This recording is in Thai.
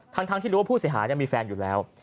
ทั้งที่รู้ว่าผู้เสียหายมีแฟนอยู่แล้ว